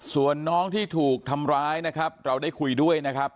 ส่วนน้องที่ถูกทำร้ายนะครับเราได้คุยด้วยนะครับ